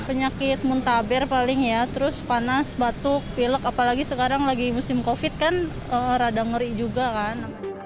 penyakit muntaber paling ya terus panas batuk pilek apalagi sekarang lagi musim covid kan rada ngeri juga kan